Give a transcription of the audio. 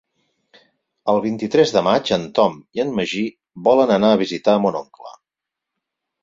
El vint-i-tres de maig en Tom i en Magí volen anar a visitar mon oncle.